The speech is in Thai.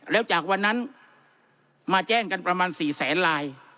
แล้วจากวันนั้นมาแจ้งกันประมาณ๔แสนลาย